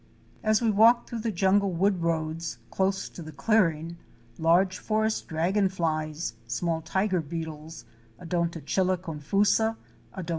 291 As we walked through the jungle wood roads close to the clearing, large forest dragon flics, small tiger beetles (Odonto chila confusa, O.